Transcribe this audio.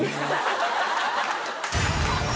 ハハハ